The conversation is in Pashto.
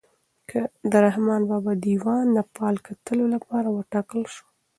د رحمان بابا دیوان د فال کتلو لپاره وټاکل شو.